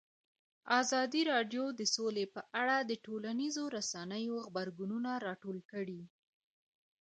ازادي راډیو د سوله په اړه د ټولنیزو رسنیو غبرګونونه راټول کړي.